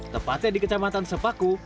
tepatnya di kecamatan sepaku